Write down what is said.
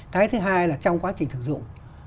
cái thứ hai là trong quá trình sử dụng